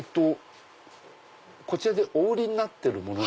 こちらでお売りになってるもの？